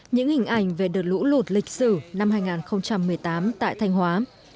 những hình ảnh về đợt lũ lụt lịch sử năm hai nghìn một mươi tám tại thanh hóa